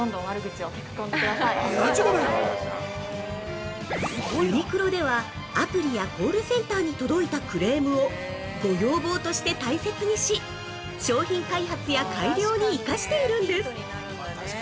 ◆ユニクロでは、アプリやコールセンターに届いたクレームをご要望として大切にし、商品開発や改良に生かしているんです。